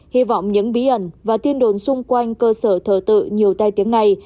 hy vọng những bí ẩn và tin đồn xung quanh cơ sở thờ tự nhiều tai tiếng này